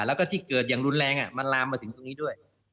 แล้วก็ที่เกิดอย่างรุนแรงมันลามมาถึงตรงนี้ด้วย